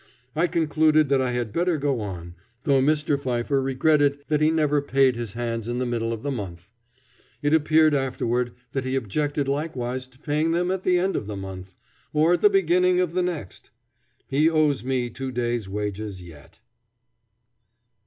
I concluded that I had better go on, though Mr. Pfeiffer regretted that he never paid his hands in the middle of the month. It appeared afterward that he objected likewise to paying them at the end of the month, or at the beginning of the next. He owes me two days' wages yet.